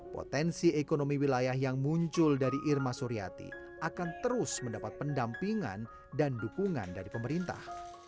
potensi ekonomi wilayah yang muncul dari irma suryati akan terus mendapat pendampingan dan dukungan dari pemerintah